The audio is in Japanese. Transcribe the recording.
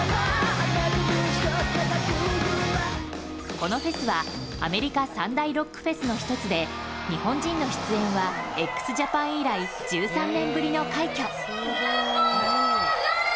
このフェスは、アメリカ三大ロックフェスの１つで日本人の出演はＸＪＡＰＡＮ以来１３年ぶりの快挙。